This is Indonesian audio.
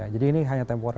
jadi ini hanya tempur